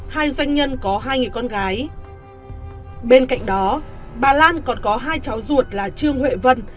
hai doanh nhân có hai người con gái bên cạnh đó bà lan còn có hai cháu ruột là trương huệ vân